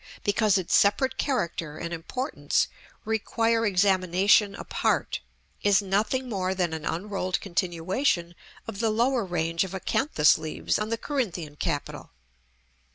because its separate character and importance require examination apart) is nothing more than an unrolled continuation of the lower range of acanthus leaves on the Corinthian capital.